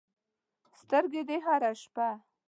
سترګې دې هره شپه